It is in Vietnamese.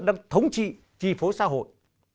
đặc thống trị trì phối xã hội